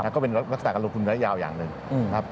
ก็เป็นลักษณะการลงทุนระยะยาวอย่างหนึ่งครับ